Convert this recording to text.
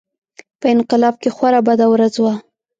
په انقلاب کې خورا بده ورځ وه.